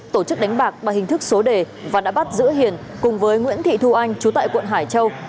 tổ chức đánh bạc bằng hình thức số đề và đã bắt giữ hiền cùng với nguyễn thị thu anh chú tại quận hải châu